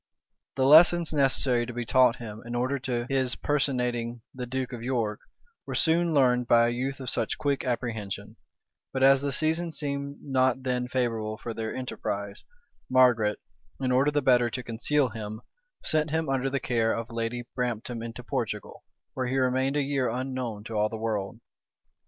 The lessons necessary to be taught him, in order to his personating the duke of York, were soon learned by a youth of such quick apprehension; but as the season seemed not then favorable for their enterprise, Margaret, in order the better to conceal him, sent him, under the care of Lady Brampton into Portugal, where he remained a year unknown to all the world.